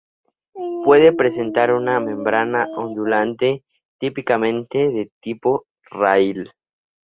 Pueden presentar una membrana ondulante típicamente de tipo rail.